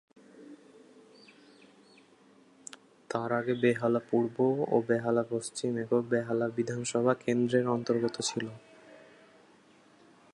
তার আগে বেহালা পূর্ব ও বেহালা পশ্চিম একক বেহালা বিধানসভা কেন্দ্রের অন্তর্গত ছিল।